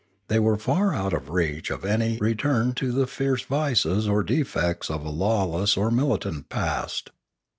They were far out of reach of any return to the fierce vices or defects of a lawless or militant past.